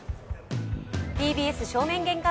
ＴＢＳ正面玄関